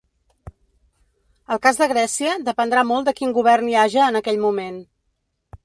El cas de Grècia dependrà molt de quin govern hi haja en aquell moment.